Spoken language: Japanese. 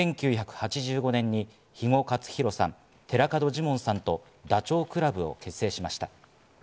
１９８５年に肥後克広さん、寺門ジモンさんとダチョウ倶楽部を結成しました。